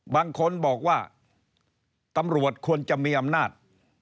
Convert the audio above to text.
บางคนบอกว่าตำรวจควรจะมีอำนาจ